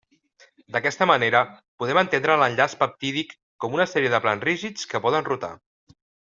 D'aquesta manera, podem entendre l'enllaç peptídic com una sèrie de plans rígids que poden rotar.